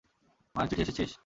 মায়ের চিঠি এসেছিস।